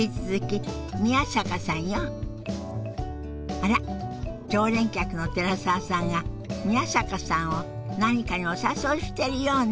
あら常連客の寺澤さんが宮坂さんを何かにお誘いしてるようね。